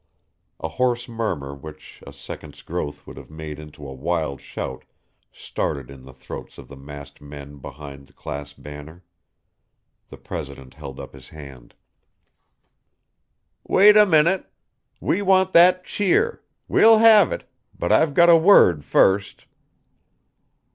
A hoarse murmur which a second's growth would have made into a wild shout started in the throats of the massed men behind the class banner. The president held up his hand. "Wait a minute. We want that cheer; we'll have it; but I've got a word first.